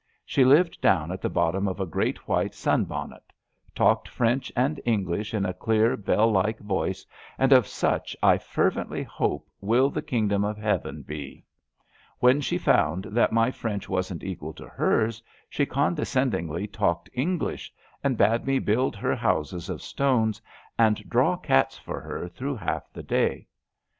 She lived down at the bottom of a great white sun bonnet; talked French and English in a clear, bell like voice, and of such I fervently hope will the King dom of Heaven be. When she found that my French wasn^t equal to hers she condescendingly talked English and bade me build her houses of stones and draw cats for her through half the day.